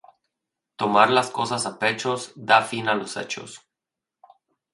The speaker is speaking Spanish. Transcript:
Tomar las cosas a pechos, da fin a los hechos.